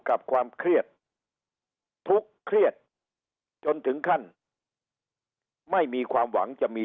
กับความเครียดทุกข์เครียดจนถึงขั้นไม่มีความหวังจะมี